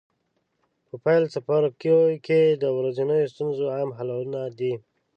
په پیل څپرکو کې د ورځنیو ستونزو عام حلونه دي.